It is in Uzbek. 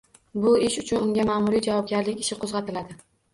Bu ishi uchun unga ma`muriy javobgarlik ishi qo`zg`atiladi